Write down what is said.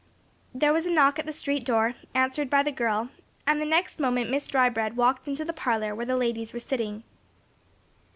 There was a knock at the street door, answered by the girl, and the next moment Miss Drybread walked into the parlor where the ladies were sitting.